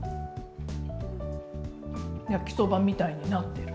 焼きそばみたいになってる。